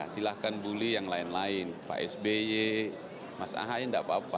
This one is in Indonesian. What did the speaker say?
silahkan buli yang lain lain pak sby mas ahain gak apa apa